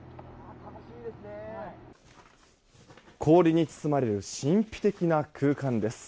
氷に包まれる神秘的な空間です。